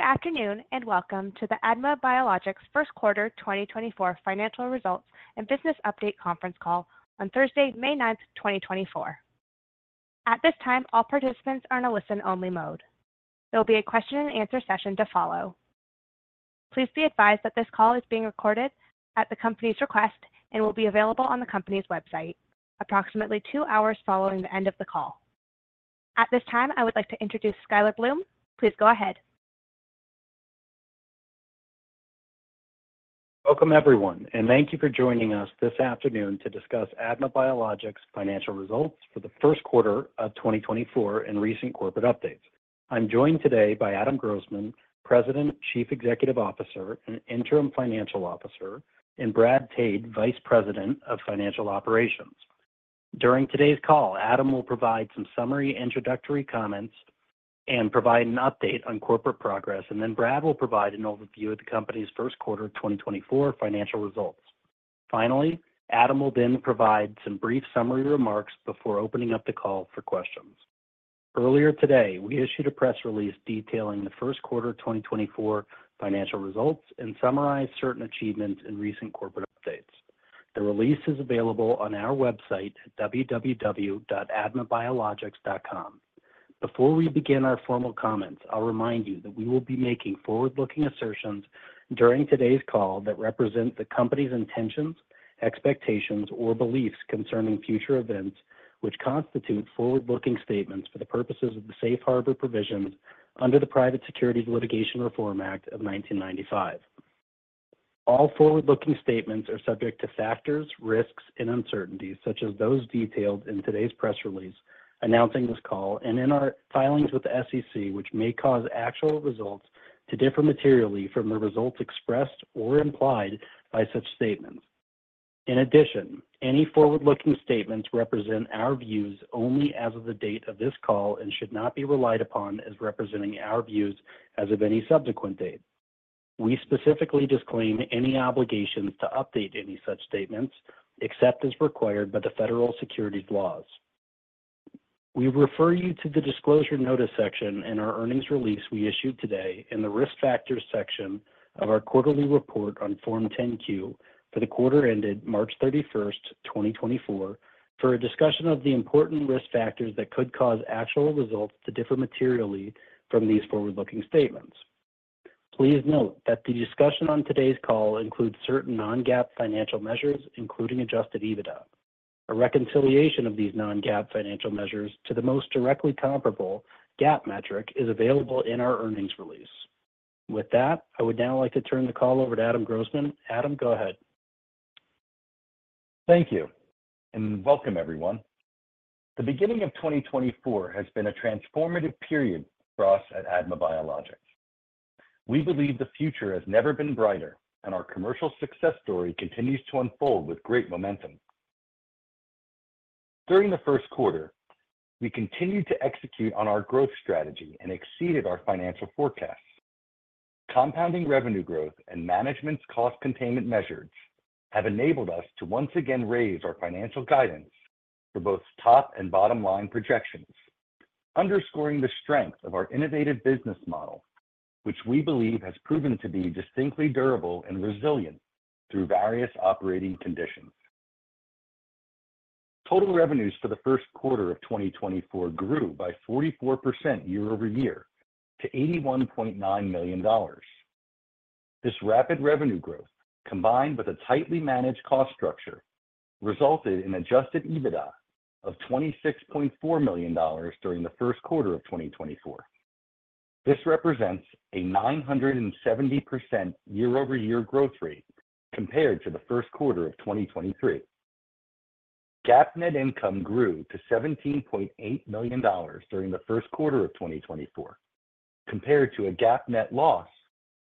Good afternoon, and welcome to the ADMA Biologics first quarter 2024 financial results and business update conference call on Thursday, May 9, 2024. At this time, all participants are in a listen-only mode. There will be a question and answer session to follow. Please be advised that this call is being recorded at the company's request and will be available on the company's website approximately two hours following the end of the call. At this time, I would like to introduce Skyler Bloom. Please go ahead. Welcome, everyone, and thank you for joining us this afternoon to discuss ADMA Biologics' financial results for the first quarter of 2024 and recent corporate updates. I'm joined today by Adam Grossman, President, Chief Executive Officer, and Interim Financial Officer, and Brad Tade, Vice President of Financial Operations. During today's call, Adam will provide some summary introductory comments and provide an update on corporate progress, and then Brad will provide an overview of the company's first quarter 2024 financial results. Finally, Adam will then provide some brief summary remarks before opening up the call for questions. Earlier today, we issued a press release detailing the first quarter 2024 financial results and summarized certain achievements in recent corporate updates. The release is available on our website at www.admabiologics.com. Before we begin our formal comments, I'll remind you that we will be making forward-looking assertions during today's call that represent the company's intentions, expectations, or beliefs concerning future events, which constitute forward-looking statements for the purposes of the Safe Harbor Provisions under the Private Securities Litigation Reform Act of 1995. All forward-looking statements are subject to factors, risks, and uncertainties, such as those detailed in today's press release announcing this call and in our filings with the SEC, which may cause actual results to differ materially from the results expressed or implied by such statements. In addition, any forward-looking statements represent our views only as of the date of this call and should not be relied upon as representing our views as of any subsequent date. We specifically disclaim any obligations to update any such statements, except as required by the federal securities laws. We refer you to the Disclosure Notice section in our earnings release we issued today in the Risk Factors section of our quarterly report on Form 10-Q for the quarter ended March 31, 2024, for a discussion of the important risk factors that could cause actual results to differ materially from these forward-looking statements. Please note that the discussion on today's call includes certain non-GAAP financial measures, including Adjusted EBITDA. A reconciliation of these non-GAAP financial measures to the most directly comparable GAAP metric is available in our earnings release. With that, I would now like to turn the call over to Adam Grossman. Adam, go ahead. Thank you, and welcome, everyone. The beginning of 2024 has been a transformative period for us at ADMA Biologics. We believe the future has never been brighter, and our commercial success story continues to unfold with great momentum. During the first quarter, we continued to execute on our growth strategy and exceeded our financial forecasts. Compounding revenue growth and management's cost containment measures have enabled us to once again raise our financial guidance for both top and bottom line projections, underscoring the strength of our innovative business model, which we believe has proven to be distinctly durable and resilient through various operating conditions. Total revenues for the first quarter of 2024 grew by 44% year-over-year to $81.9 million. This rapid revenue growth, combined with a tightly managed cost structure, resulted in Adjusted EBITDA of $26.4 million during the first quarter of 2024. This represents a 970% year-over-year growth rate compared to the first quarter of 2023. GAAP net income grew to $17.8 million during the first quarter of 2024, compared to a GAAP net loss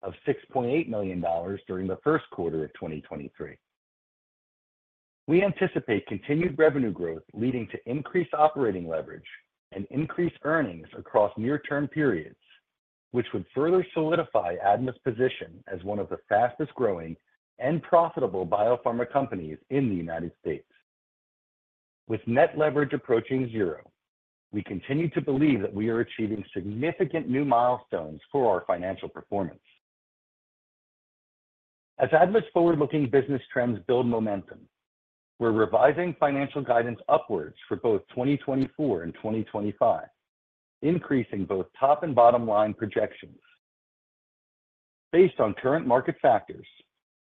of $6.8 million during the first quarter of 2023. We anticipate continued revenue growth leading to increased operating leverage and increased earnings across near-term periods, which would further solidify ADMA's position as one of the fastest-growing and profitable biopharma companies in the United States. With net leverage approaching zero, we continue to believe that we are achieving significant new milestones for our financial performance. As ADMA's forward-looking business trends build momentum, we're revising financial guidance upwards for both 2024 and 2025, increasing both top and bottom line projections. Based on current market factors,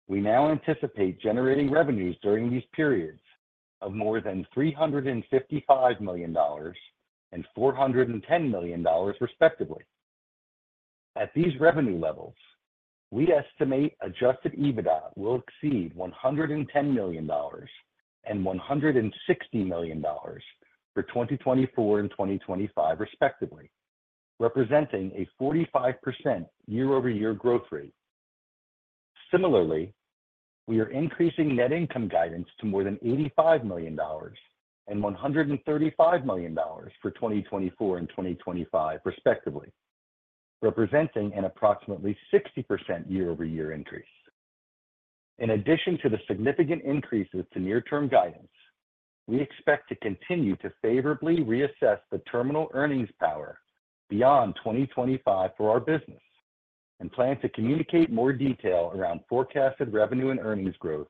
we now anticipate generating revenues during these periods of more than $355 million and $410 million, respectively. At these revenue levels, we estimate Adjusted EBITDA will exceed $110 million and $160 million for 2024 and 2025, respectively, representing a 45% year-over-year growth rate. Similarly, we are increasing net income guidance to more than $85 million and $135 million for 2024 and 2025, respectively, representing an approximately 60% year-over-year increase. In addition to the significant increases to near-term guidance, we expect to continue to favorably reassess the terminal earnings power beyond 2025 for our business, and plan to communicate more detail around forecasted revenue and earnings growth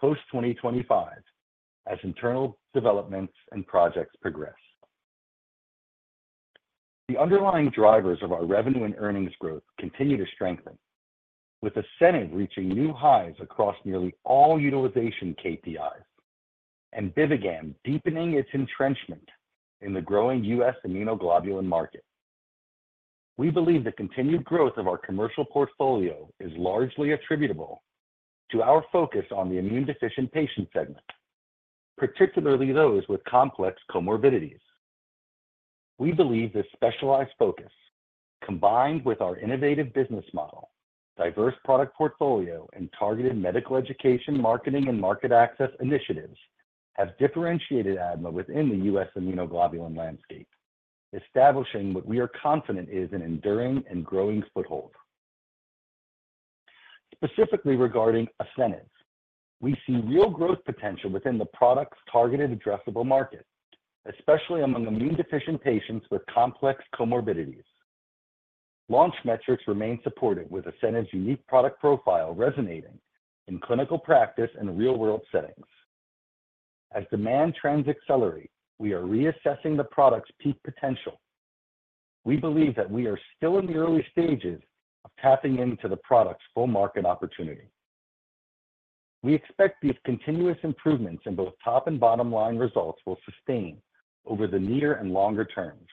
post-2025 as internal developments and projects progress. The underlying drivers of our revenue and earnings growth continue to strengthen, with ASCENIV reaching new highs across nearly all utilization KPIs, and BIVIGAM deepening its entrenchment in the growing U.S. immunoglobulin market. We believe the continued growth of our commercial portfolio is largely attributable to our focus on the immune-deficient patient segment, particularly those with complex comorbidities. We believe this specialized focus, combined with our innovative business model, diverse product portfolio, and targeted medical education, marketing, and market access initiatives, have differentiated ADMA within the U.S. immunoglobulin landscape, establishing what we are confident is an enduring and growing foothold. Specifically regarding ASCENIV, we see real growth potential within the product's targeted addressable market, especially among immune-deficient patients with complex comorbidities. Launch metrics remain supported, with ASCENIV's unique product profile resonating in clinical practice and real-world settings. As demand trends accelerate, we are reassessing the product's peak potential. We believe that we are still in the early stages of tapping into the product's full market opportunity. We expect these continuous improvements in both top and bottom line results will sustain over the near and longer terms.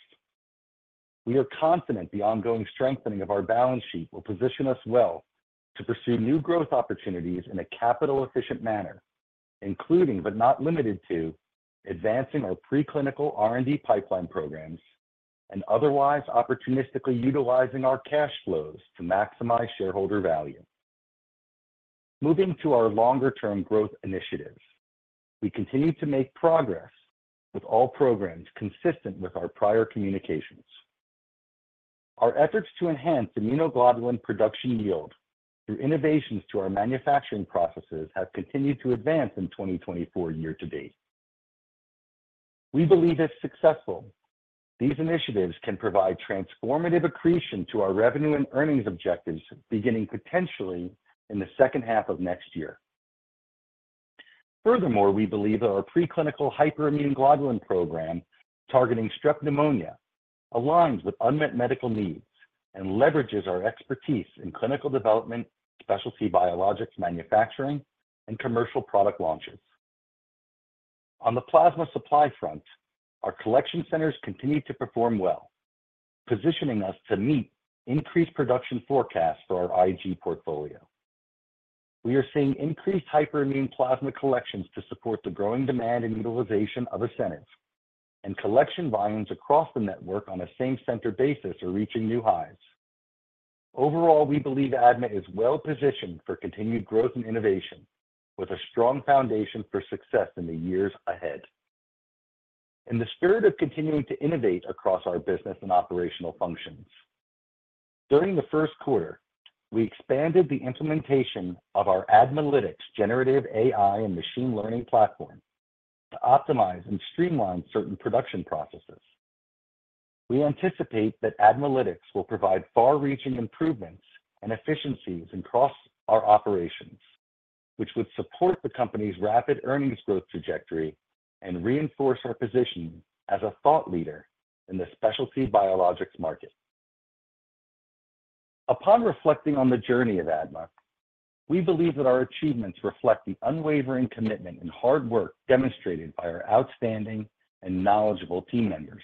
We are confident the ongoing strengthening of our balance sheet will position us well to pursue new growth opportunities in a capital-efficient manner, including, but not limited to, advancing our preclinical R&D pipeline programs and otherwise opportunistically utilizing our cash flows to maximize shareholder value. Moving to our longer-term growth initiatives, we continue to make progress with all programs consistent with our prior communications. Our efforts to enhance immunoglobulin production yield through innovations to our manufacturing processes have continued to advance in 2024 year to date. We believe, if successful, these initiatives can provide transformative accretion to our revenue and earnings objectives, beginning potentially in the second half of next year. Furthermore, we believe that our preclinical hyperimmunoglobulin program, targeting Strep pneumonia, aligns with unmet medical needs and leverages our expertise in clinical development, specialty biologics, manufacturing, and commercial product launches. On the plasma supply front, our collection centers continue to perform well, positioning us to meet increased production forecasts for our IG portfolio. We are seeing increased hyperimmune plasma collections to support the growing demand and utilization of ASCENIV, and collection volumes across the network on a same-center basis are reaching new highs. Overall, we believe ADMA is well-positioned for continued growth and innovation, with a strong foundation for success in the years ahead. In the spirit of continuing to innovate across our business and operational functions, during the first quarter, we expanded the implementation of our ADMAlytics generative AI and machine learning platform to optimize and streamline certain production processes. We anticipate that ADMAlytics will provide far-reaching improvements and efficiencies across our operations, which would support the company's rapid earnings growth trajectory and reinforce our position as a thought leader in the specialty biologics market. Upon reflecting on the journey of ADMA, we believe that our achievements reflect the unwavering commitment and hard work demonstrated by our outstanding and knowledgeable team members.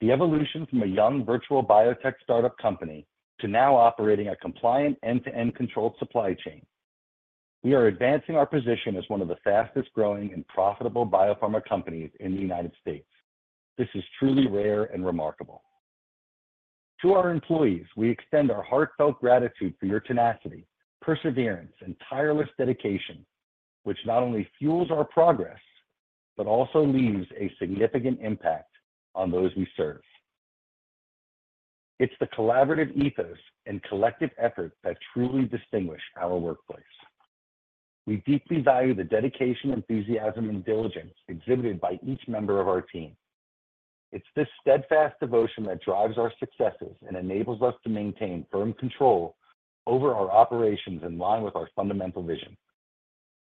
The evolution from a young virtual biotech startup company to now operating a compliant end-to-end controlled supply chain, we are advancing our position as one of the fastest-growing and profitable biopharma companies in the United States. This is truly rare and remarkable. To our employees, we extend our heartfelt gratitude for your tenacity, perseverance, and tireless dedication, which not only fuels our progress, but also leaves a significant impact on those we serve. It's the collaborative ethos and collective effort that truly distinguish our workplace. We deeply value the dedication, enthusiasm, and diligence exhibited by each member of our team. It's this steadfast devotion that drives our successes and enables us to maintain firm control over our operations in line with our fundamental vision.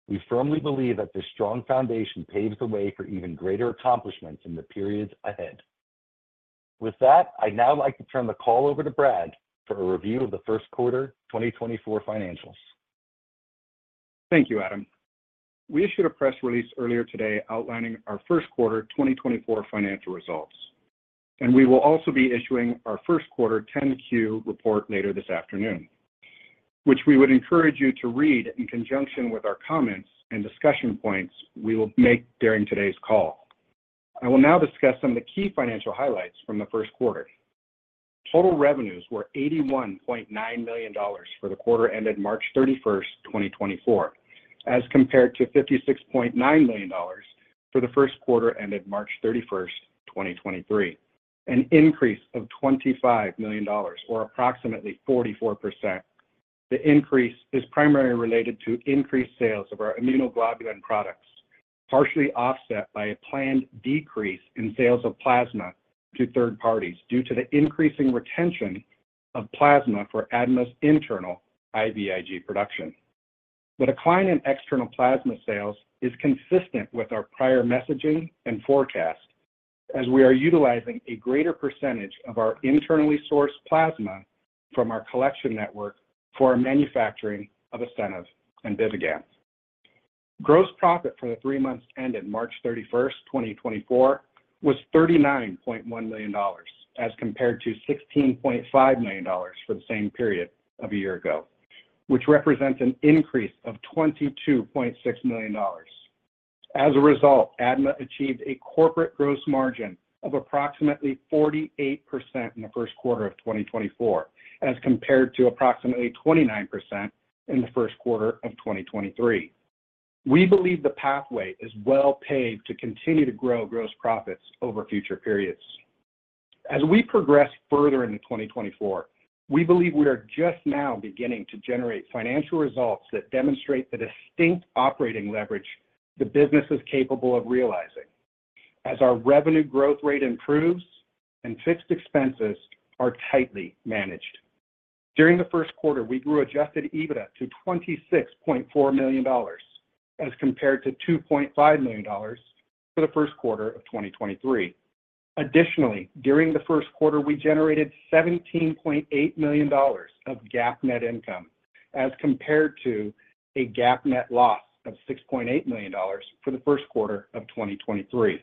We firmly believe that this strong foundation paves the way for even greater accomplishments in the periods ahead. With that, I'd now like to turn the call over to Brad for a review of the first quarter 2024 financials. Thank you, Adam. We issued a press release earlier today outlining our first quarter 2024 financial results, and we will also be issuing our first quarter 10-Q report later this afternoon, which we would encourage you to read in conjunction with our comments and discussion points we will make during today's call. I will now discuss some of the key financial highlights from the first quarter. Total revenues were $81.9 million for the quarter ended March 31, 2024, as compared to $56.9 million for the first quarter ended March 31, 2023, an increase of $25 million or approximately 44%. The increase is primarily related to increased sales of our immunoglobulin products, partially offset by a planned decrease in sales of plasma to third parties due to the increasing retention of plasma for ADMA's internal IVIG production. The decline in external plasma sales is consistent with our prior messaging and forecast, as we are utilizing a greater percentage of our internally sourced plasma from our collection network for our manufacturing of ASCENIV and BIVIGAM. Gross profit for the three months ended March 31st, 2024, was $39.1 million, as compared to $16.5 million for the same period of a year ago, which represents an increase of $22.6 million. As a result, ADMA achieved a corporate gross margin of approximately 48% in the first quarter of 2024, as compared to approximately 29% in the first quarter of 2023. We believe the pathway is well paved to continue to grow gross profits over future periods. As we progress further into 2024, we believe we are just now beginning to generate financial results that demonstrate the distinct operating leverage the business is capable of realizing, as our revenue growth rate improves and fixed expenses are tightly managed. During the first quarter, we grew adjusted EBITDA to $26.4 million as compared to $2.5 million for the first quarter of 2023. Additionally, during the first quarter, we generated $17.8 million of GAAP net income, as compared to a GAAP net loss of $6.8 million for the first quarter of 2023.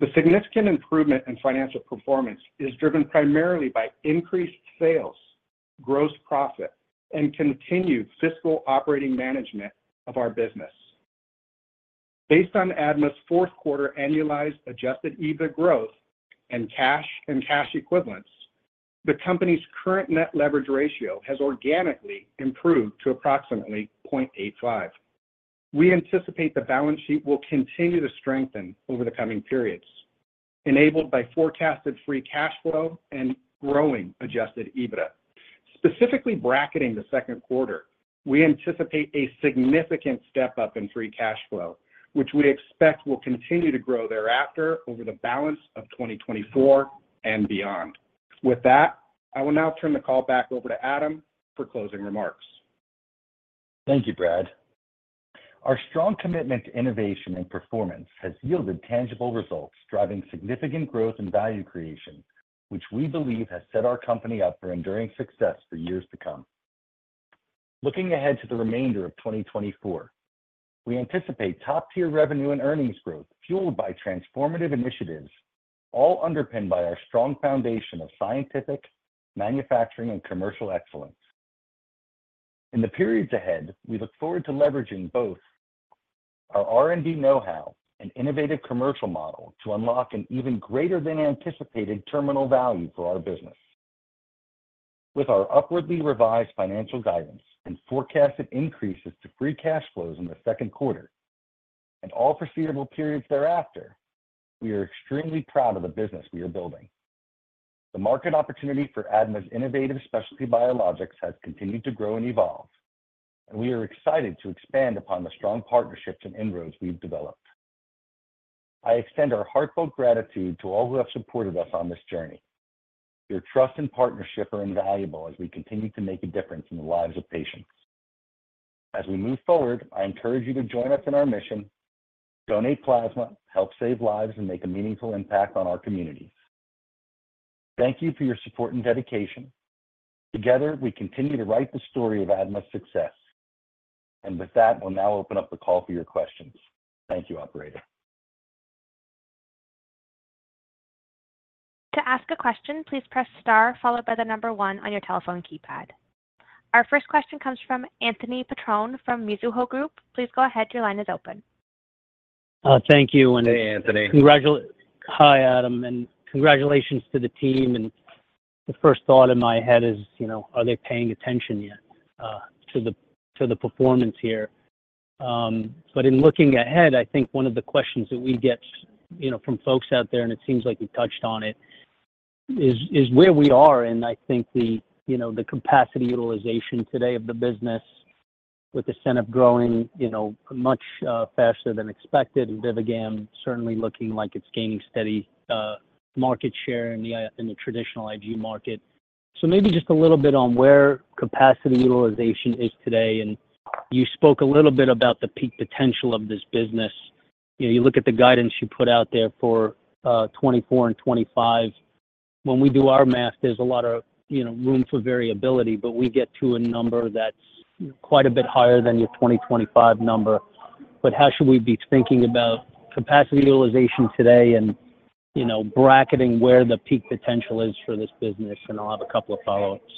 The significant improvement in financial performance is driven primarily by increased sales, gross profit, and continued fiscal operating management of our business. Based on ADMA's fourth quarter annualized Adjusted EBITDA growth and cash and cash equivalents, the company's current net leverage ratio has organically improved to approximately 0.85. We anticipate the balance sheet will continue to strengthen over the coming periods, enabled by forecasted free cash flow and growing Adjusted EBITDA. Specifically bracketing the second quarter, we anticipate a significant step-up in free cash flow, which we expect will continue to grow thereafter over the balance of 2024 and beyond. With that, I will now turn the call back over to Adam for closing remarks. Thank you, Brad. Our strong commitment to innovation and performance has yielded tangible results, driving significant growth and value creation, which we believe has set our company up for enduring success for years to come. Looking ahead to the remainder of 2024, we anticipate top-tier revenue and earnings growth fueled by transformative initiatives, all underpinned by our strong foundation of scientific, manufacturing, and commercial excellence. In the periods ahead, we look forward to leveraging both our R&D know-how and innovative commercial model to unlock an even greater than anticipated terminal value for our business. With our upwardly revised financial guidance and forecasted increases to free cash flows in the second quarter and all foreseeable periods thereafter, we are extremely proud of the business we are building. The market opportunity for ADMA's innovative specialty biologics has continued to grow and evolve, and we are excited to expand upon the strong partnerships and inroads we've developed. I extend our heartfelt gratitude to all who have supported us on this journey. Your trust and partnership are invaluable as we continue to make a difference in the lives of patients. As we move forward, I encourage you to join us in our mission: donate plasma, help save lives, and make a meaningful impact on our communities. Thank you for your support and dedication. Together, we continue to write the story of ADMA's success. With that, we'll now open up the call for your questions. Thank you, operator. To ask a question, please press star followed by the number one on your telephone keypad. Our first question comes from Anthony Petrone from Mizuho Group. Please go ahead. Your line is open. Thank you. Hey, Anthony. Hi, Adam, and congratulations to the team. And the first thought in my head is, you know, are they paying attention yet to the performance here? But in looking ahead, I think one of the questions that we get, you know, from folks out there, and it seems like you touched on it, is where we are and I think the, you know, the capacity utilization today of the business with ASCENIV growing, you know, much faster than expected, and BIVIGAM certainly looking like it's gaining steady market share in the traditional IG market. So maybe just a little bit on where capacity utilization is today, and you spoke a little bit about the peak potential of this business. You know, you look at the guidance you put out there for 2024 and 2025. When we do our math, there's a lot of, you know, room for variability, but we get to a number that's quite a bit higher than your 2025 number. But how should we be thinking about capacity utilization today and, you know, bracketing where the peak potential is for this business? And I'll have a couple of follow-ups.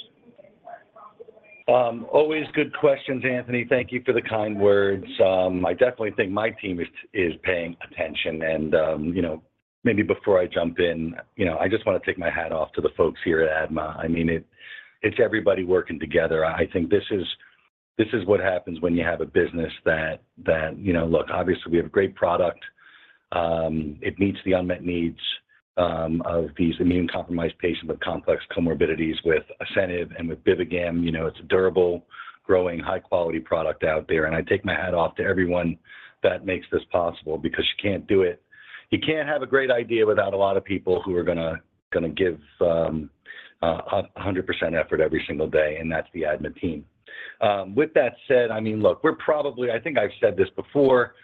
Always good questions, Anthony. Thank you for the kind words. I definitely think my team is paying attention and, you know, maybe before I jump in, you know, I just want to take my hat off to the folks here at ADMA. I mean, it's everybody working together. I think this is. This is what happens when you have a business that, you know, look, obviously, we have a great product. It meets the unmet needs of these immune-compromised patients with complex comorbidities with ASCENIV and with BIVIGAM. You know, it's a durable, growing, high-quality product out there, and I take my hat off to everyone that makes this possible, because you can't do it. You can't have a great idea without a lot of people who are gonna give a hundred percent effort every single day, and that's the ADMA team. With that said, I mean, look, we're probably... I think I've said this before,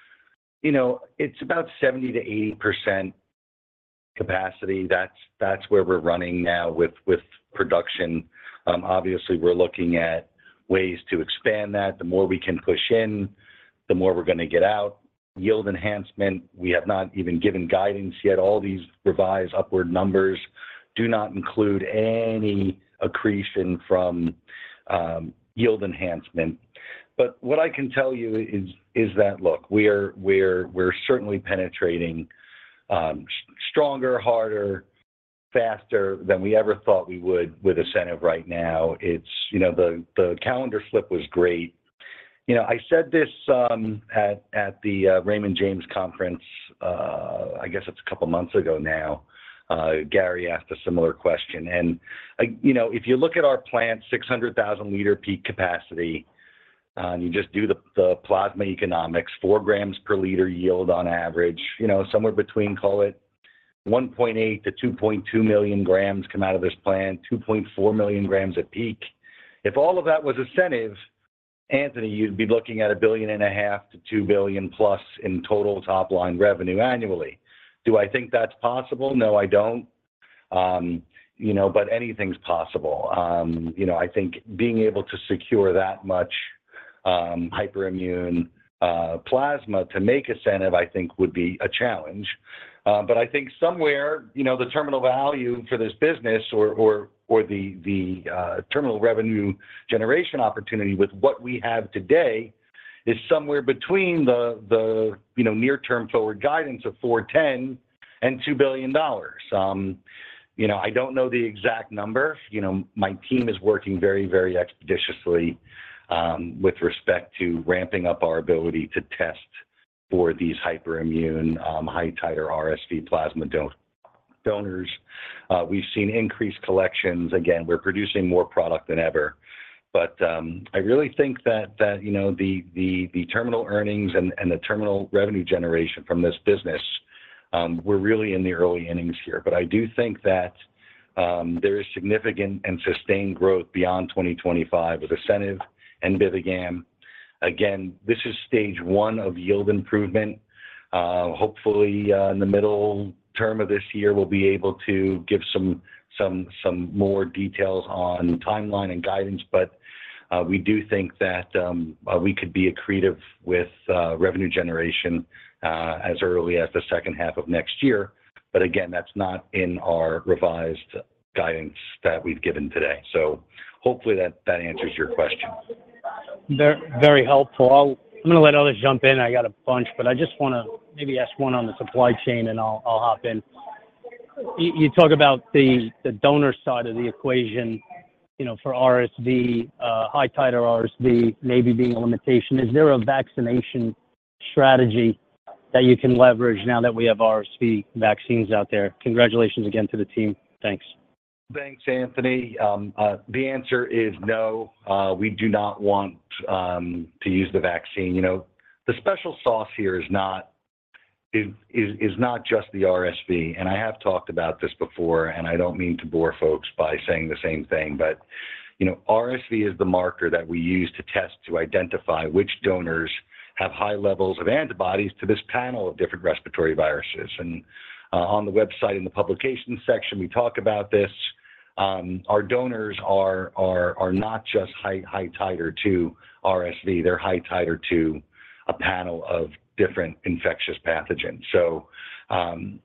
you know, it's about 70%-80% capacity. That's where we're running now with production. Obviously, we're looking at ways to expand that. The more we can push in, the more we're gonna get out. Yield enhancement, we have not even given guidance yet. All these revised upward numbers do not include any accretion from yield enhancement. But what I can tell you is that, look, we're certainly penetrating stronger, harder, faster than we ever thought we would with ASCENIV right now. It's, you know, the calendar flip was great. You know, I said this at the Raymond James conference, I guess it's a couple of months ago now. Gary asked a similar question, and, like, you know, if you look at our plant, 600,000-liter peak capacity, and you just do the plasma economics, 4 grams per liter yield on average, you know, somewhere between, call it, 1.8-2.2 million grams come out of this plant, 2.4 million grams at peak. If all of that was ASCENIV, Anthony, you'd be looking at $1.5 billion-$2 billion+ in total top-line revenue annually. Do I think that's possible? No, I don't. You know, but anything's possible. You know, I think being able to secure that much hyperimmune plasma to make ASCENIV, I think would be a challenge. But I think somewhere, you know, the terminal value for this business or the terminal revenue generation opportunity with what we have today is somewhere between the near-term forward guidance of $410 million-$2 billion. You know, I don't know the exact number. You know, my team is working very, very expeditiously with respect to ramping up our ability to test for these hyperimmune high-titer RSV plasma donors. We've seen increased collections. Again, we're producing more product than ever. But, I really think that, you know, the terminal earnings and the terminal revenue generation from this business, we're really in the early innings here. But I do think that, there is significant and sustained growth beyond 2025 with ASCENIV and BIVIGAM. Again, this is stage one of yield improvement. Hopefully, in the middle term of this year, we'll be able to give some more details on timeline and guidance, but, we do think that, we could be accretive with revenue generation, as early as the second half of next year. But again, that's not in our revised guidance that we've given today. So hopefully that answers your question. Very helpful. I'll I'm gonna let others jump in. I got a bunch, but I just wanna maybe ask one on the supply chain, and I'll, I'll hop in. You, you talk about the, the donor side of the equation, you know, for RSV, high titer RSV, maybe being a limitation. Is there a vaccination strategy that you can leverage now that we have RSV vaccines out there? Congratulations again to the team. Thanks. Thanks, Anthony. The answer is no, we do not want to use the vaccine. You know, the special sauce here is not just the RSV, and I have talked about this before, and I don't mean to bore folks by saying the same thing, but, you know, RSV is the marker that we use to test, to identify which donors have high levels of antibodies to this panel of different respiratory viruses. And, on the website, in the publication section, we talk about this. Our donors are not just high titer to RSV, they're high titer to a panel of different infectious pathogens. So,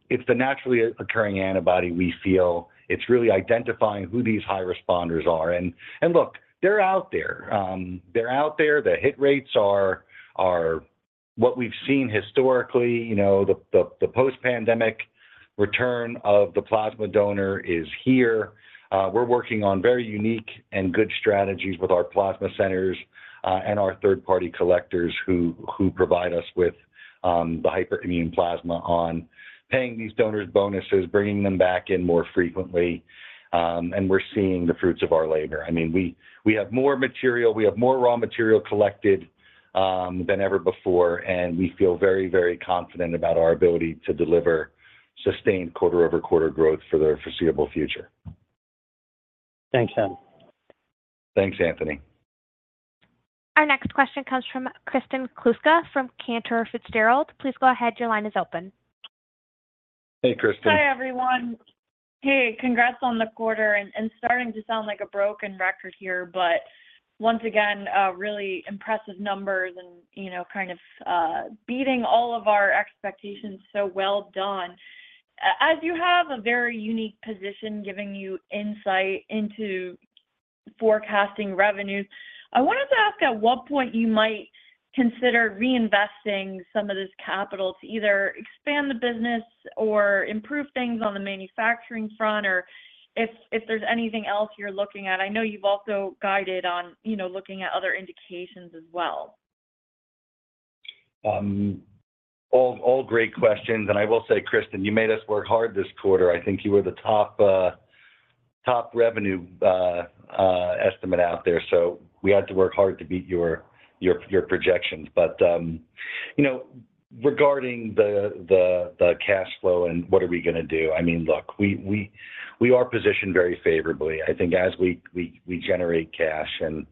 it's the naturally occurring antibody we feel it's really identifying who these high responders are, and, look, they're out there. They're out there. The hit rates are what we've seen historically. You know, the post-pandemic return of the plasma donor is here. We're working on very unique and good strategies with our plasma centers, and our third-party collectors who provide us with the hyperimmune plasma on paying these donors bonuses, bringing them back in more frequently, and we're seeing the fruits of our labor. I mean, we have more material, we have more raw material collected than ever before, and we feel very, very confident about our ability to deliver sustained quarter-over-quarter growth for the foreseeable future. Thanks, Adam. Thanks, Anthony. Our next question comes from Kristen Kluska from Cantor Fitzgerald. Please go ahead. Your line is open. Hey, Kristen. Hi, everyone. Hey, congrats on the quarter and starting to sound like a broken record here, but once again, really impressive numbers and, you know, kind of beating all of our expectations, so well done. As you have a very unique position, giving you insight into forecasting revenues, I wanted to ask at what point you might consider reinvesting some of this capital to either expand the business or improve things on the manufacturing front, or if there's anything else you're looking at. I know you've also guided on, you know, looking at other indications as well.... All great questions, and I will say, Kristen, you made us work hard this quarter. I think you were the top revenue estimate out there, so we had to work hard to beat your projections. But you know, regarding the cash flow and what are we gonna do? I mean, look, we are positioned very favorably. I think as we generate cash and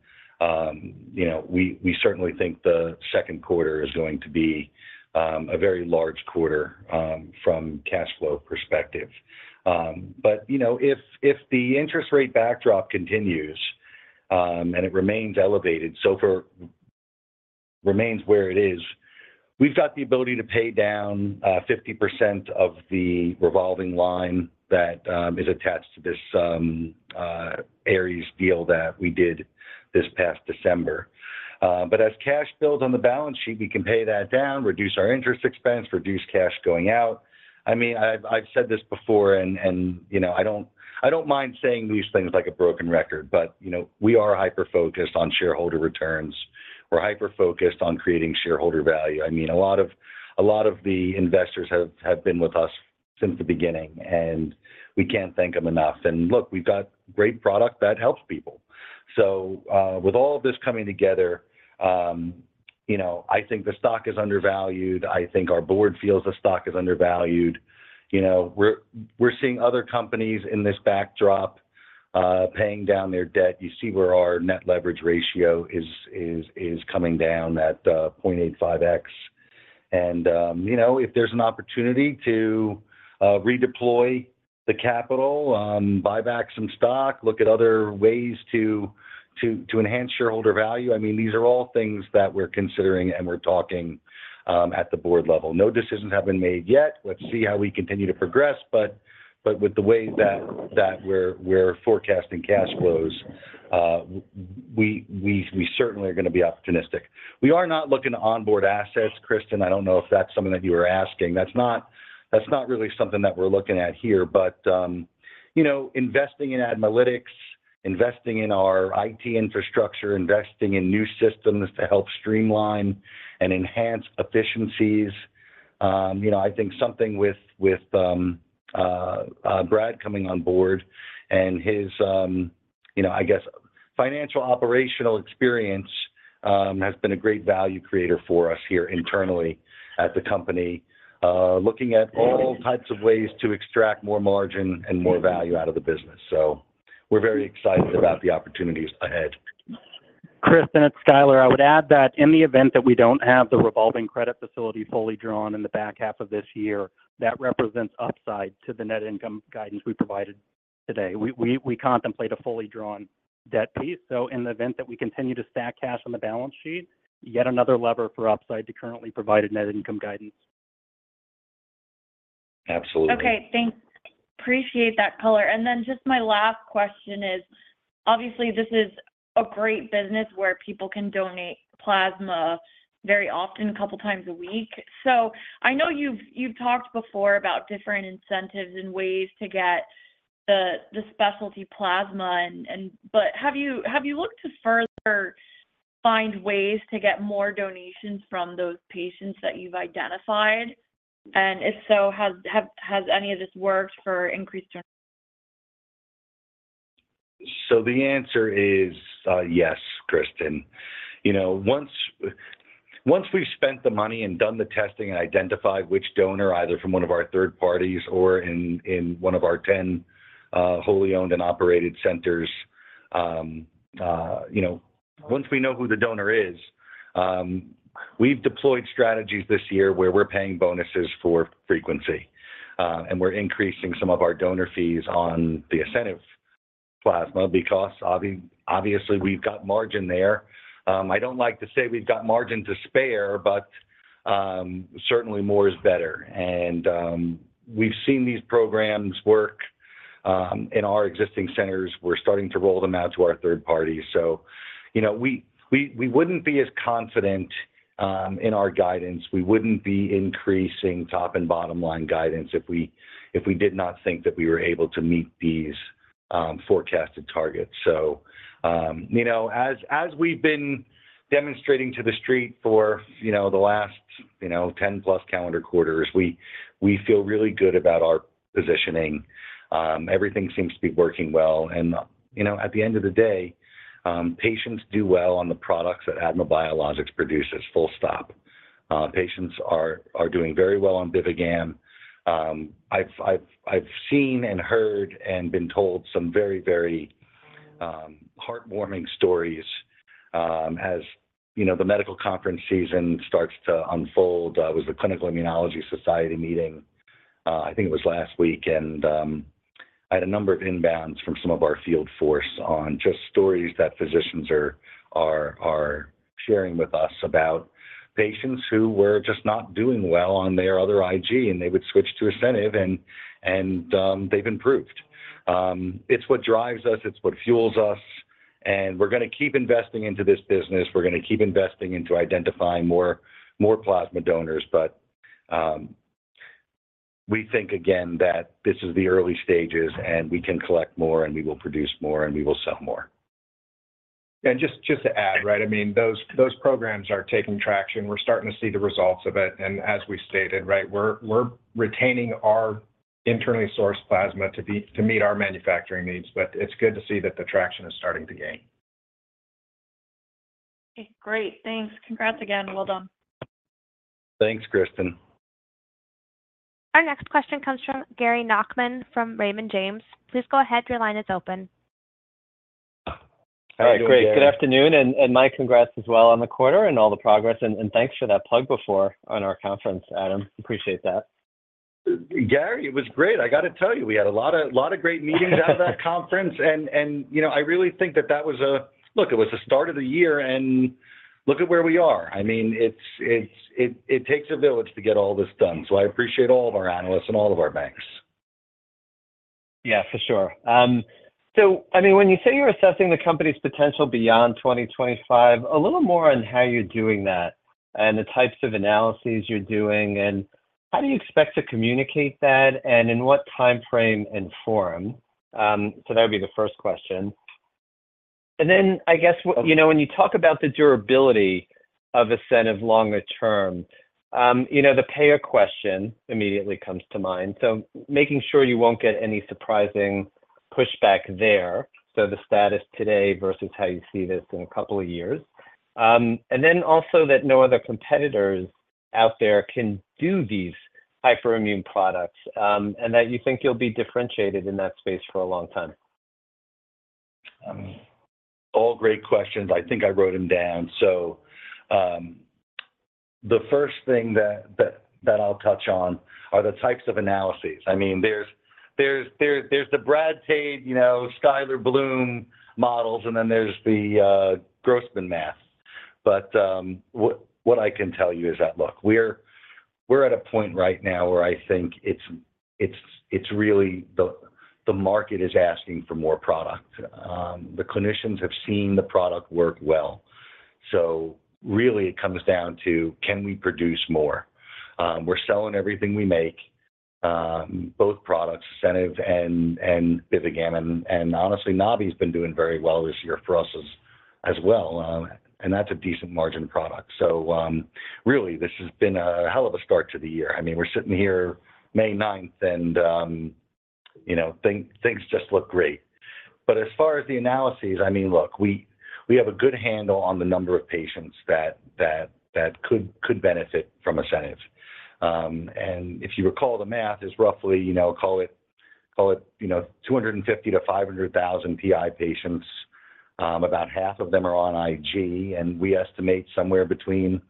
you know, we certainly think the second quarter is going to be a very large quarter from cash flow perspective. But, you know, if the interest rate backdrop continues, and it remains elevated, remains where it is, we've got the ability to pay down 50% of the revolving line that is attached to this Ares deal that we did this past December. But as cash builds on the balance sheet, we can pay that down, reduce our interest expense, reduce cash going out. I mean, I've said this before, and you know, I don't mind saying these things like a broken record, but you know, we are hyper-focused on shareholder returns. We're hyper-focused on creating shareholder value. I mean, a lot of the investors have been with us since the beginning, and we can't thank them enough. And look, we've got great product that helps people. So, with all of this coming together, you know, I think the stock is undervalued. I think our board feels the stock is undervalued. You know, we're seeing other companies in this backdrop, paying down their debt. You see where our net leverage ratio is coming down at 0.85x. And, you know, if there's an opportunity to redeploy the capital, buy back some stock, look at other ways to enhance shareholder value, I mean, these are all things that we're considering and we're talking at the board level. No decisions have been made yet. Let's see how we continue to progress. But with the way that we're forecasting cash flows, we certainly are gonna be opportunistic. We are not looking to onboard assets, Kristen. I don't know if that's something that you were asking. That's not, that's not really something that we're looking at here, but, you know, investing in analytics, investing in our IT infrastructure, investing in new systems to help streamline and enhance efficiencies, you know, I think something with, with, Brad coming on board and his, you know, I guess, financial operational experience, has been a great value creator for us here internally at the company. Looking at all types of ways to extract more margin and more value out of the business. So we're very excited about the opportunities ahead. Kristen, it's Skyler. I would add that in the event that we don't have the revolving credit facility fully drawn in the back half of this year, that represents upside to the net income guidance we provided today. We contemplate a fully drawn debt piece. So in the event that we continue to stack cash on the balance sheet, yet another lever for upside to currently provided net income guidance. Absolutely. Okay, thanks. Appreciate that color. And then just my last question is, obviously, this is a great business where people can donate plasma very often, a couple times a week. So I know you've talked before about different incentives and ways to get the specialty plasma and. But have you looked to further find ways to get more donations from those patients that you've identified? And if so, has any of this worked for increased donor? So the answer is, yes, Kristen. You know, once we've spent the money and done the testing and identified which donor, either from one of our third parties or in one of our 10 wholly owned and operated centers, you know, once we know who the donor is, we've deployed strategies this year where we're paying bonuses for frequency. And we're increasing some of our donor fees on the ASCENIV plasma because obviously, we've got margin there. I don't like to say we've got margin to spare, but certainly more is better. And we've seen these programs work in our existing centers. We're starting to roll them out to our third parties. So, you know, we wouldn't be as confident in our guidance. We wouldn't be increasing top and bottom line guidance if we did not think that we were able to meet these forecasted targets. So, you know, as we've been demonstrating to the street for, you know, the last, you know, 10+ calendar quarters, we feel really good about our positioning. Everything seems to be working well. And, you know, at the end of the day, patients do well on the products that ADMA Biologics produces, full stop. Patients are doing very well on BIVIGAM. I've seen and heard and been told some very heartwarming stories, as you know, the medical conference season starts to unfold. It was the Clinical Immunology Society meeting, I think it was last week, and I had a number of inbounds from some of our field force on just stories that physicians are sharing with us about patients who were just not doing well on their other IG, and they would switch to ASCENIV, and they've improved. It's what drives us, it's what fuels us, and we're gonna keep investing into this business. We're gonna keep investing into identifying more plasma donors. But we think again that this is the early stages, and we can collect more, and we will produce more, and we will sell more. Just to add, right? I mean, those programs are taking traction. We're starting to see the results of it, and as we stated, right, we're retaining our internally sourced plasma to meet our manufacturing needs, but it's good to see that the traction is starting to gain. Okay, great. Thanks. Congrats again. Well done. Thanks, Kristen. Our next question comes from Gary Nachman from Raymond James. Please go ahead. Your line is open. All right, great. Good afternoon, Gary. Good afternoon, and my congrats as well on the quarter and all the progress, and thanks for that plug before on our conference, Adam. Appreciate that. Gary, it was great. I got to tell you, we had a lot of great meetings out of that conference... and, you know, I really think that was—look, it was the start of the year, and look at where we are. I mean, it takes a village to get all this done, so I appreciate all of our analysts and all of our banks. Yeah, for sure. So, I mean, when you say you're assessing the company's potential beyond 2025, a little more on how you're doing that and the types of analyses you're doing, and how do you expect to communicate that, and in what timeframe and forum? So that would be the first question. And then, I guess, what... You know, when you talk about the durability of ASCENIV longer term, you know, the payer question immediately comes to mind, so making sure you won't get any surprising pushback there, so the status today versus how you see this in a couple of years. And then also that no other competitors out there can do these hyperimmune products, and that you think you'll be differentiated in that space for a long time. All great questions. I think I wrote them down. So, the first thing that I'll touch on are the types of analyses. I mean, there's the Brad Tade, you know, Skyler Bloom models, and then there's the Grossman math. But, what I can tell you is that, look, we're at a point right now where I think it's really the market is asking for more product. The clinicians have seen the product work well. So really it comes down to, can we produce more? We're selling everything we make, both products, ASCENIV and BIVIGAM, and honestly, NABI-HB's been doing very well this year for us as well, and that's a decent margin product. So, really, this has been a hell of a start to the year. I mean, we're sitting here May ninth, and, you know, things just look great. But as far as the analysts, I mean, look, we have a good handle on the number of patients that could benefit from ASCENIV. And if you recall, the math is roughly, you know, call it 250,000-500,000 PI patients. About half of them are on IG, and we estimate somewhere between,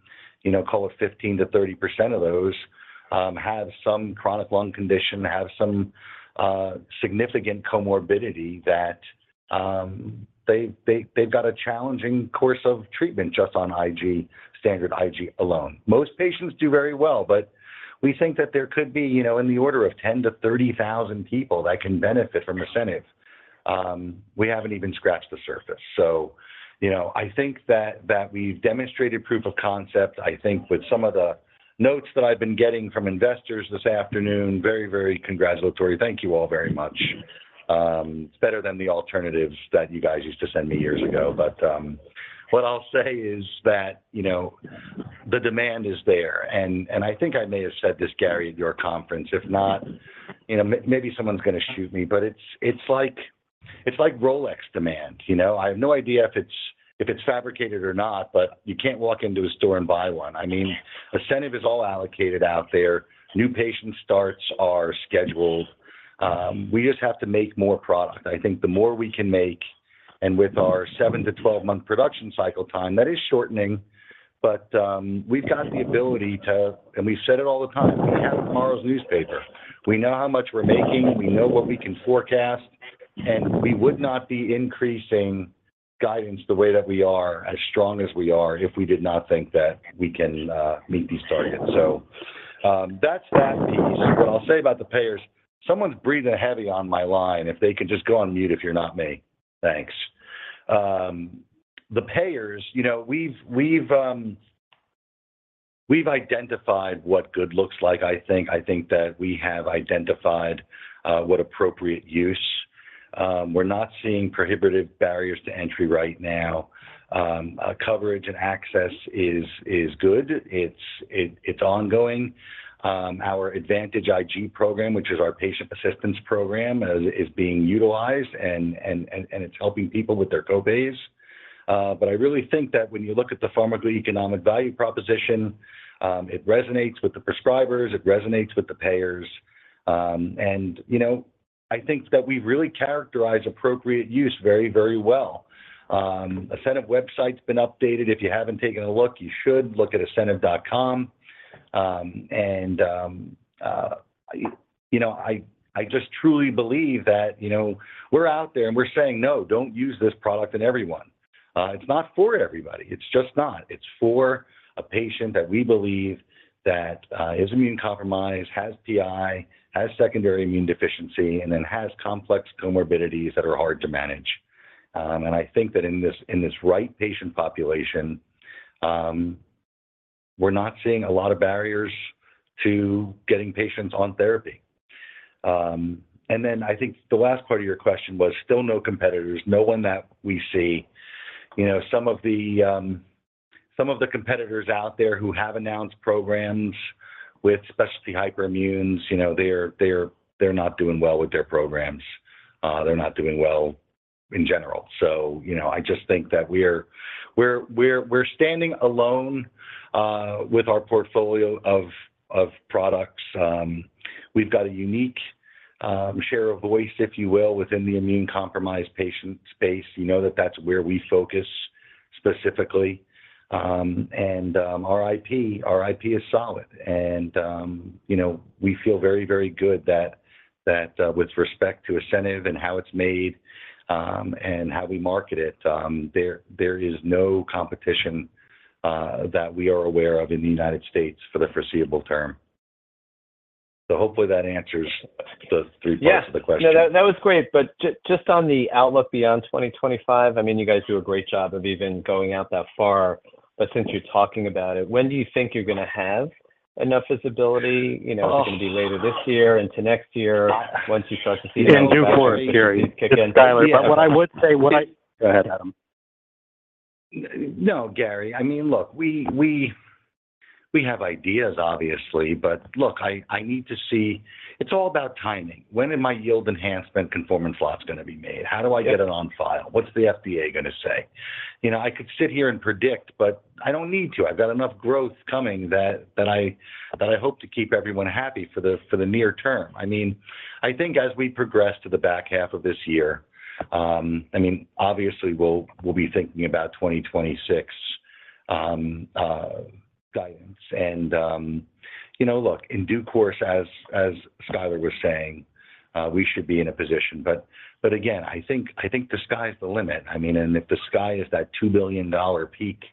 you know, call it 15%-30% of those have some chronic lung condition, have some significant comorbidity that they've got a challenging course of treatment just on IG, standard IG alone. Most patients do very well, but we think that there could be, you know, in the order of 10,000-30,000 people that can benefit from ASCENIV. We haven't even scratched the surface. So, you know, I think that we've demonstrated proof of concept. I think with some of the notes that I've been getting from investors this afternoon, very, very congratulatory. Thank you all very much. It's better than the alternatives that you guys used to send me years ago. But, what I'll say is that, you know, the demand is there, and I think I may have said this, Gary, at your conference. If not, you know, maybe someone's gonna shoot me, but it's, it's like, it's like Rolex demand, you know? I have no idea if it's, if it's fabricated or not, but you can't walk into a store and buy one. I mean, ASCENIV is all allocated out there. New patient starts are scheduled. We just have to make more product. I think the more we can make, and with our seven-12-month production cycle time, that is shortening, but, we've got the ability to... And we've said it all the time, "We have tomorrow's newspaper." We know how much we're making, we know what we can forecast, and we would not be increasing guidance the way that we are, as strong as we are, if we did not think that we can, meet these targets. So, that's that piece. What I'll say about the payers. Someone's breathing heavy on my line. If they could just go on mute if you're not me. Thanks. The payers, you know, we've, we've, we've identified what good looks like, I think. I think that we have identified, what appropriate use. We're not seeing prohibitive barriers to entry right now. Coverage and access is good. It's ongoing. Our Advantage Ig program, which is our patient assistance program, is being utilized, and it's helping people with their co-pays. But I really think that when you look at the pharmacoeconomic value proposition, it resonates with the prescribers, it resonates with the payers. And, you know, I think that we really characterize appropriate use very, very well. ASCENIV website's been updated. If you haven't taken a look, you should look at asceniv.com. And, you know, I just truly believe that, you know, we're out there, and we're saying, "No, don't use this product in everyone." It's not for everybody. It's just not. It's for a patient that we believe that is immunocompromised, has PI, has secondary immunodeficiency, and then has complex comorbidities that are hard to manage. I think that in this right patient population, we're not seeing a lot of barriers to getting patients on therapy. Then I think the last part of your question was still no competitors, no one that we see. You know, some of the competitors out there who have announced programs with specialty hyperimmunes, you know, they're not doing well with their programs. They're not doing well in general. So, you know, I just think that we're standing alone with our portfolio of products. We've got a unique share of voice, if you will, within the immunocompromised patient space. You know, that's where we focus specifically. And our IP, our IP is solid, and you know, we feel very, very good that with respect to ASCENIV and how it's made, and how we market it, there is no competition that we are aware of in the United States for the foreseeable term. So hopefully that answers the three parts of the question. Yeah. No, that, that was great, but just on the outlook beyond 2025, I mean, you guys do a great job of even going out that far, but since you're talking about it, when do you think you're gonna have enough visibility? You know- Oh... is it gonna be later this year, into next year, once you start to see- In due course, Gary. It's Skyler, but what I would say... Go ahead, Adam. No, Gary, I mean, look, we have ideas, obviously, but look, I need to see... It's all about timing. When are my yield enhancement conformance lots gonna be made? Yep. How do I get it on file? What's the FDA gonna say? You know, I could sit here and predict, but I don't need to. I've got enough growth coming that, that I, that I hope to keep everyone happy for the, for the near term. I mean, I think as we progress to the back half of this year, I mean, obviously, we'll, we'll be thinking about 2026 guidance. You know, look, in due course, as, as Skyler was saying, we should be in a position, but, but again, I think, I think the sky's the limit. I mean, and if the sky is that $2 billion peak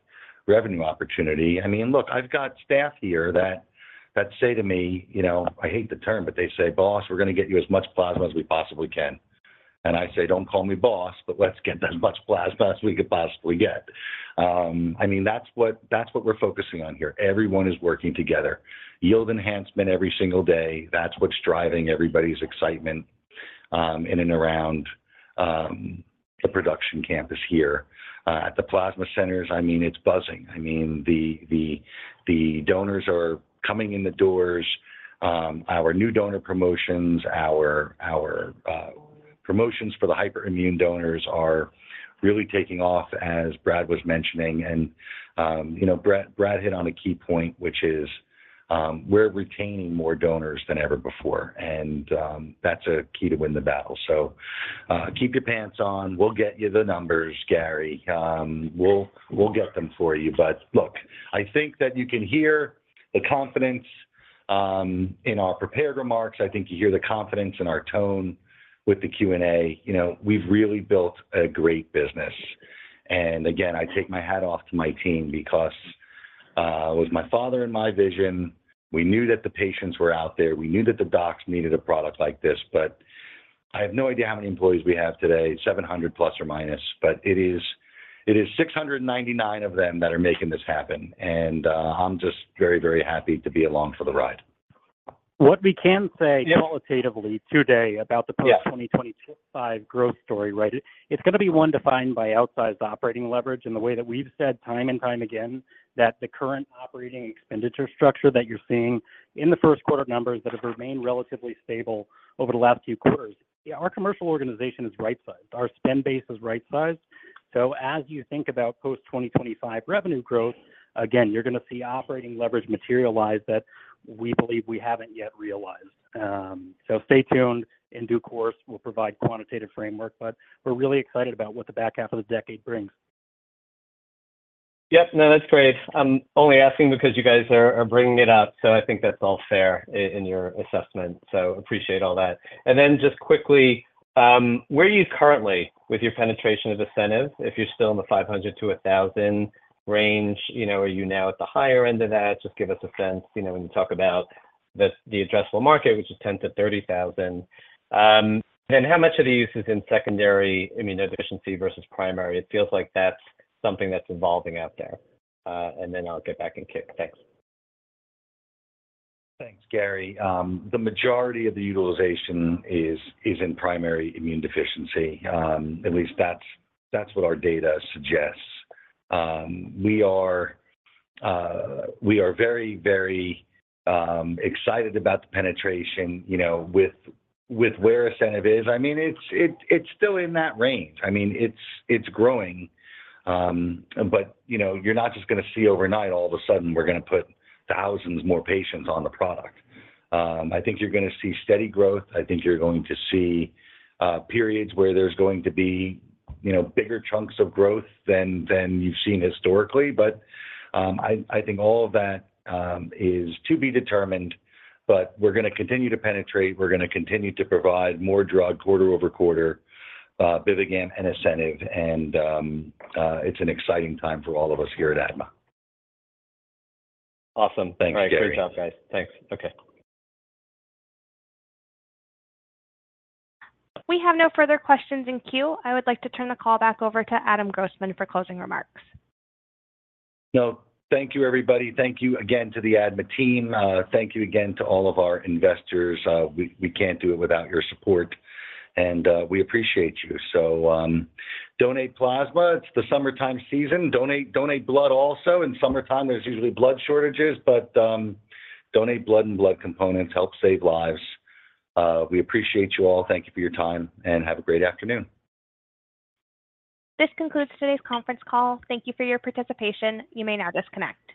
revenue opportunity, I mean, look, I've got staff here that say to me, you know, I hate the term, but they say, "Boss, we're gonna get you as much plasma as we possibly can." And I say, "Don't call me boss, but let's get as much plasma as we could possibly get." I mean, that's what, that's what we're focusing on here. Everyone is working together, yield enhancement every single day, that's what's driving everybody's excitement, in and around the production campus here. At the plasma centers, I mean, it's buzzing. I mean, the donors are coming in the doors. Our new donor promotions, our promotions for the hyperimmune donors are really taking off, as Brad was mentioning. You know, Brad, Brad hit on a key point, which is, we're retaining more donors than ever before, and, that's a key to win the battle. So, keep your pants on. We'll get you the numbers, Gary. We'll, we'll get them for you. But look, I think that you can hear the confidence, in our prepared remarks. I think you hear the confidence in our tone with the Q&A. You know, we've really built a great business, and again, I take my hat off to my team because, it was my father and my vision. We knew that the patients were out there. We knew that the docs needed a product like this, but I have no idea how many employees we have today, 700± What we can say- Yep... qualitatively today about the post- Yeah... 2025 growth story, right? It, it's gonna be one defined by outsized operating leverage and the way that we've said time and time again, that the current operating expenditure structure that you're seeing in the first quarter numbers that have remained relatively stable over the last few quarters. Yeah, our commercial organization is right-sized. Our spend base is right-sized. So as you think about post-2025 revenue growth, again, you're gonna see operating leverage materialize that we believe we haven't yet realized. So stay tuned. In due course, we'll provide quantitative framework, but we're really excited about what the back half of the decade brings. Yep. No, that's great. I'm only asking because you guys are, are bringing it up, so I think that's all fair in your assessment, so appreciate all that. And then just quickly, where are you currently with your penetration of ASCENIV? If you're still in the 500-1,000 range, you know, are you now at the higher end of that? Just give us a sense. You know, when you talk about the, the addressable market, which is 10,000-30,000, then how much of the use is in secondary immunodeficiency versus primary? It feels like that's something that's evolving out there. And then I'll get back in queue. Thanks. Thanks, Gary. The majority of the utilization is in primary immune deficiency. At least that's what our data suggests. We are very, very excited about the penetration, you know, with where ASCENIV is. I mean, it's still in that range. I mean, it's growing, but, you know, you're not just gonna see overnight, all of a sudden, we're gonna put thousands more patients on the product. I think you're gonna see steady growth. I think you're going to see periods where there's going to be, you know, bigger chunks of growth than you've seen historically. But I think all of that is to be determined, but we're gonna continue to penetrate. We're gonna continue to provide more drug quarter over quarter, BIVIGAM and ASCENIV, and it's an exciting time for all of us here at ADMA. Awesome. Thanks, Gary. All right. Great job, guys. Thanks. Okay. We have no further questions in queue. I would like to turn the call back over to Adam Grossman for closing remarks. No, thank you, everybody. Thank you again to the ADMA team. Thank you again to all of our investors. We can't do it without your support, and we appreciate you. So, donate plasma. It's the summertime season. Donate, donate blood also. In summertime, there's usually blood shortages, but donate blood and blood components. Help save lives. We appreciate you all. Thank you for your time, and have a great afternoon. This concludes today's conference call. Thank you for your participation. You may now disconnect.